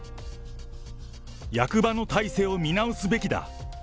役場の体制を見直すべきだ。